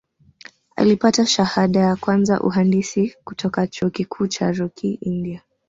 Alipata shahada ya kwanza uhandisi kutoka Chuo Kikuu cha Rokii India